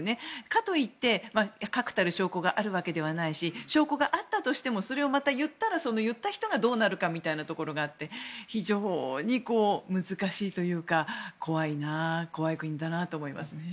かといって確たる証拠があるわけではないし証拠があったとしてもそれをまた言ったら言った人がどうなるかみたいなところがあって非常に難しいというか怖い国だなと思います。